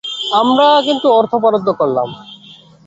আমরা কিন্তু অর্থ বরাদ্দ করলাম।